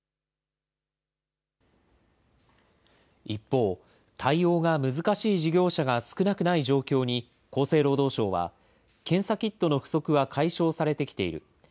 一方、対応が難しい事業者が少なくない状況に、厚生労働省は検査キットの不足は解消されてきている。